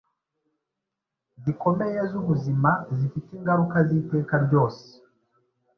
zikomeye z’ubuzima zifite ingaruka z’iteka ryose,